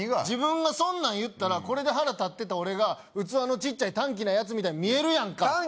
自分がそんなん言ったらこれで腹立ってた俺が器のちっちゃい短気なやつみたいに見えるやんか！